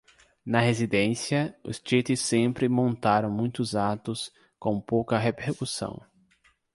Na residência, os Tites sempre montaram muitos atos com pouca repercussão.